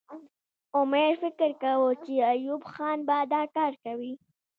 امیر فکر کاوه چې ایوب خان به دا کار کوي.